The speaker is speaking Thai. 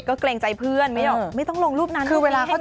ก็เกรงใจเพื่อนไม่ต้องลงรูปนั้นรูปนี้ให้มีชั้น